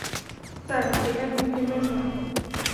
Sir, এটা ভিকটিমের phone.